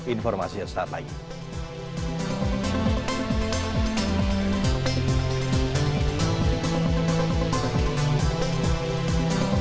informasinya setelah ini